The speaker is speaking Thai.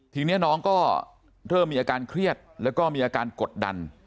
ทีนี้น้องก็เริ่มมีอาการเครียดแล้วก็มีอาการกดดัน